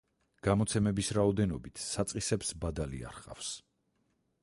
გამოცემების რაოდენობით „საწყისებს“ ბადალი არ ჰყავს.